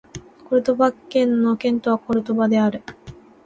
コルドバ県の県都はコルドバである